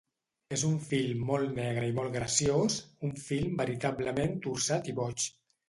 És un film molt negre i molt graciós, un film veritablement torçat i boig.